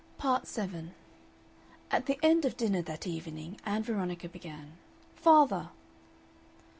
Part 7 At the end of dinner that evening Ann Veronica began: "Father!"